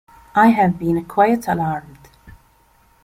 I have been quite alarmed.